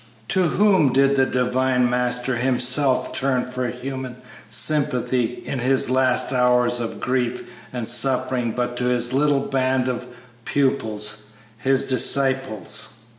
To whom did the Divine Master himself turn for human sympathy in his last hours of grief and suffering but to his little band of pupils his disciples?